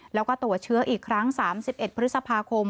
แล้วก็ตรวจเชื้ออีกครั้ง๓๑พฤษภาคม